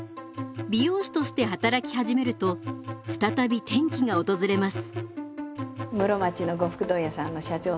美容師として働き始めると再び転機が訪れます。